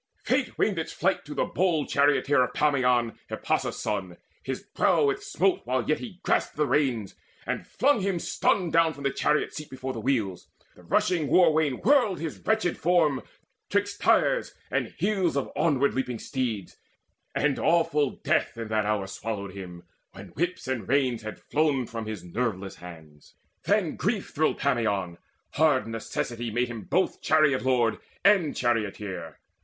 Fate winged its flight to the bold charioteer Of Pammon, Hippasus' son: his brow it smote While yet he grasped the reins, and flung him stunned Down from the chariot seat before the wheels. The rushing war wain whirled his wretched form 'Twixt tyres and heels of onward leaping steeds, And awful death in that hour swallowed him When whip and reins had flown from his nerveless hands. Then grief thrilled Pammon: hard necessity Made him both chariot lord and charioteer.